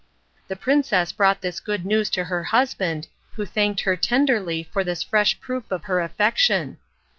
The princess brought this good news to her husband, who thanked her tenderly for this fresh proof of her affection.